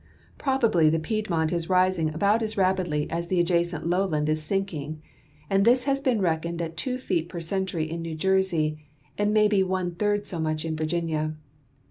Probably the Piedmont is rising about as rapidly as the adjacent lowland is sinking, and this has been reckoned at two feet j)er centur}" in New Jersey, and may be one third so much in Virginia.